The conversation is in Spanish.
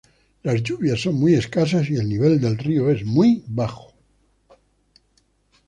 Las lluvias son muy escasas y el nivel del río es muy bajo.